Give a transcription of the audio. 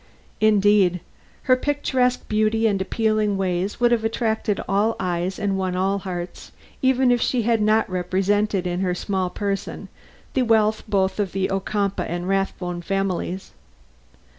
Indeed, her picturesque beauty and appealing ways would have attracted all eyes and won all hearts, even if she had not represented in her small person the wealth both of the Ocumpaugh and Rathbone families.